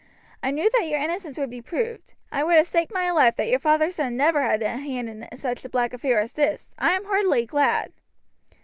I knew that your innocence would be proved: I would have staked my life that your father's son never had any hand in such a black affair as this. I am heartily glad!"